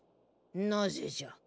なぜじゃ。